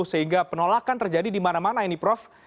sehingga penolakan terjadi di mana mana ini prof